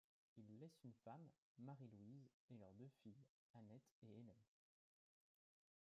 Il laisse une femme, Marie-Louise, et leurs deux filles, Annette et Hélène.